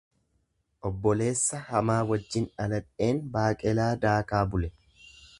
Obboleessa hamaa wajjin dhaladheen baaqelaa daakaa bule.